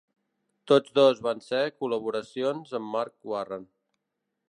Tots dos van ser col·laboracions amb Mark Warren.